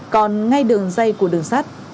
còn ngay đường dây của đường sắt